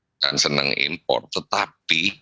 bukan senang impor tetapi